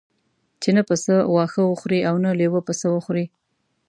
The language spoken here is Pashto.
چې نه پسه واښه وخوري او نه لېوه پسه وخوري.